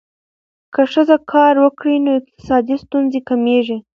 که ښځه کار وکړي، نو اقتصادي ستونزې کمېږي.